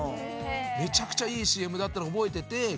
めちゃくちゃいいＣＭだったの覚えてて曲も。